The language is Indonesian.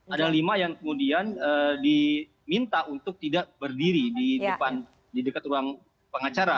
ada lima yang kemudian diminta untuk tidak berdiri di dekat ruang pengacara